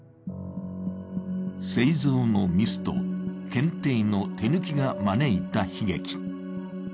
製造のミスと検定の手抜きが招いた悲劇。